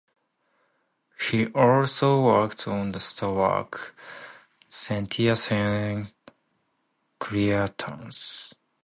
He also worked on the "Star Wars" Cantina scene creatures.